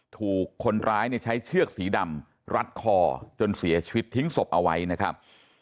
ถูกคนร้ายใช้เชือกสีดำรัดคอจนเสียชีวิตทิ้งศพเอาไว้นะครับ